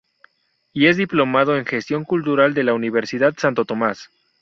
Y es Diplomado en Gestión Cultural de la Universidad Santo Tomás.